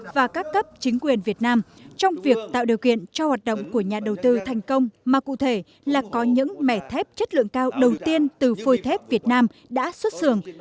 và các cấp chính quyền việt nam trong việc tạo điều kiện cho hoạt động của nhà đầu tư thành công mà cụ thể là có những mẻ thép chất lượng cao đầu tiên từ phôi thép việt nam đã xuất xưởng